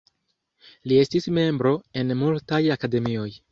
Li estis membro en multaj akademioj.